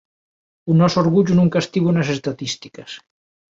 O noso orgullo nunca estivo nas estatísticas".